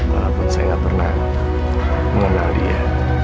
walaupun saya pernah mengenal dia